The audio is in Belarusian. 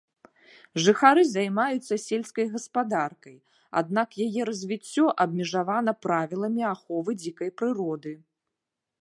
Жыхары займаюцца сельскай гаспадаркай, аднак яе развіццё абмежавана правіламі аховы дзікай прыроды.